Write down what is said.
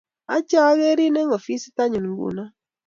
A,ache angerin eng ofisit nyun nguno